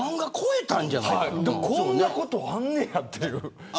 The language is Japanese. こんなことあんねやという。